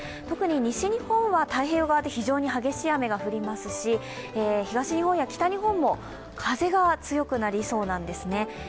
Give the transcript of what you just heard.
特に西日本は、太平洋側で非常に激しい雨が降りますし、東日本や北日本も風が強くなりそうなんですね。